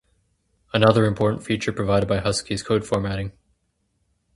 Another important feature provided by Husky is code formatting.